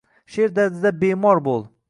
She’r dardida bemor bo’l.